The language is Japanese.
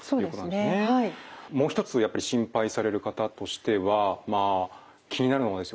もう一つやっぱり心配される方としてはまあ気になるのがですよ